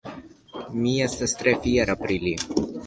Mi estas tre fiera pri li.